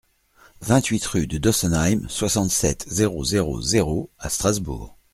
vingt-huit rue de Dossenheim, soixante-sept, zéro zéro zéro à Strasbourg